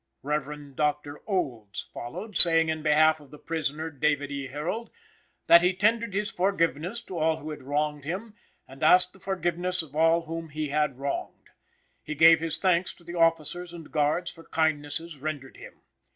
Rev. Dr. Olds followed, saying in behalf of the prisoner, David E. Harold, that he tendered his forgiveness to all who had wronged him, and asked the forgiveness of all whom he had wronged. He gave his thanks to the officers and guards for kindnesses rendered him.